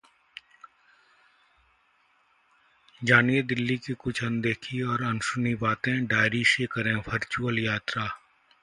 जानिए दिल्ली की कुछ अनदेखी और अनसुनी बातें, डायरी से करें वर्चुअल यात्रा